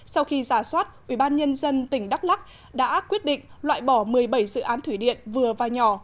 sau khi giả soát ubnd tỉnh đắk lắc đã quyết định loại bỏ một mươi bảy dự án thủy điện vừa và nhỏ